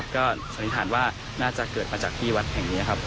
พิธารว่าน่าจะเกิดมาจากที่วัดแห่งนี้